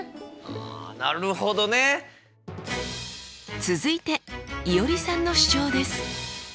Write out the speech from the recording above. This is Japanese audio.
あなるほどね。続いていおりさんの主張です。